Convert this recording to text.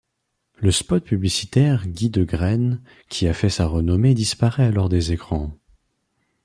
Le spot publicitaire Guy Degrenne qui a fait sa renommée disparaît alors des écrans.